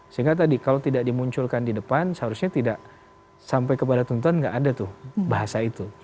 sehingga tadi kalau tidak dimunculkan di depan seharusnya tidak sampai kepada tuntutan tidak ada tuh bahasa itu